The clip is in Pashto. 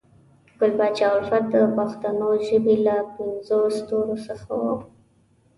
ګل پاچا الفت د پښنو ژبې له پنځو ستورو څخه وو